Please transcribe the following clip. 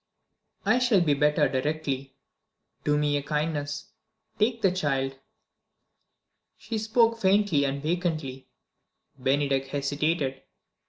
"I shall be better directly. Do me a kindness take the child!" She spoke faintly and vacantly. Bennydeck hesitated.